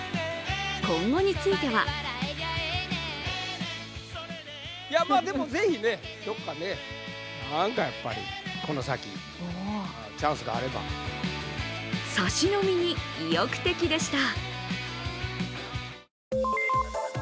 今後についてはサシ飲みに意欲的でした。